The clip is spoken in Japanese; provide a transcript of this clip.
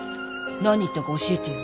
何言ったか教えてよ。